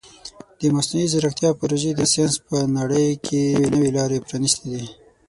د مصنوعي ځیرکتیا پروژې د ساینس په نړۍ کې نوې لارې پرانیستې دي.